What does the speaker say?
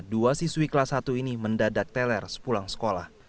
dua siswi kelas satu ini mendadak teler sepulang sekolah